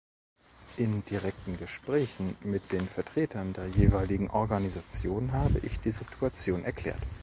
In direkten Gesprächen mit den Vertretern der jeweiligen Organisation habe ich die Situation erklärt.